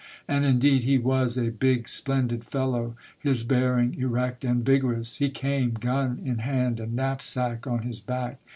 And indeed he was a big, splendid fellow, his bearing erect and vigorous. He came, gun in hand and knapsack on his back.